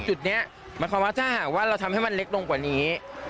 จุดนี้หมายความว่าถ้าหากว่าเราทำให้มันเล็กลงกว่านี้